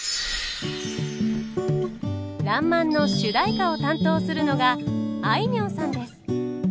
「らんまん」の主題歌を担当するのがあいみょんさんです。